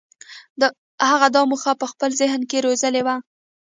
هغه دا موخه په خپل ذهن کې روزلې وه.